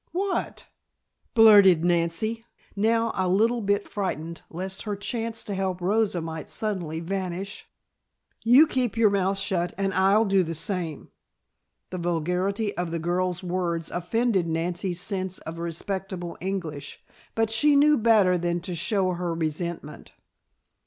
"What?" blurted Nancy, now a little bit frightened lest her chance to help Rosa might suddenly vanish. "You keep your mouth shut and I'll do the same!" The vulgarity of the girl's words offended Nancy's sense of respectable English, but she knew better than to show her resentment.